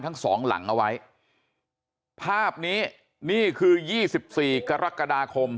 ทั้งสองหลังเอาไว้ภาพนี้นี่คือยี่สิบสี่กรกฎาคม